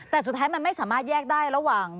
แต่สุดท้ายมันไม่สามารถแยกได้ระหว่าง